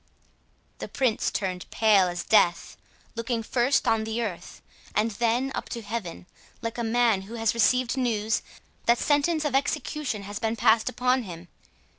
_" The Prince turned as pale as death, looked first on the earth, and then up to heaven, like a man who has received news that sentence of execution has been passed upon him.